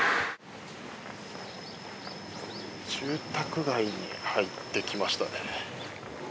住宅街に入ってきましたね。